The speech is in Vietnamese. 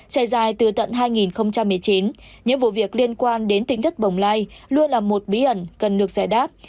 trải dài từ tận hai nghìn một mươi chín những vụ việc liên quan đến tính thất bồng lai luôn là một bí ẩn cần được giải đáp